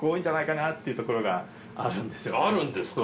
あるんですか？